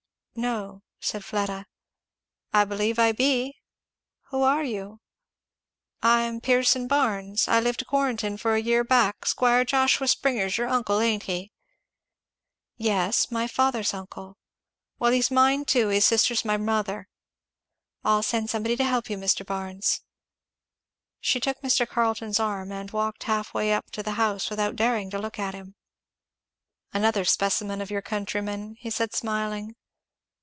"No," said Fleda. "I believe I be." "Who are you?" "I am Pierson Barnes. I live to Quarrenton for a year back. Squire Joshua Springer's your uncle, ain't he?" "Yes, my father's uncle." "Well he's mine too. His sister's my mother." "I'll send somebody to help you, Mr. Barnes." She took Mr. Carleton's arm and walked half the way up to the house without daring to look at him. "Another specimen of your countrymen," he said smiling.